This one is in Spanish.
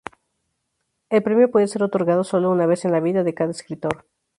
El premio puede ser otorgado solo una vez en la vida de cada escritor.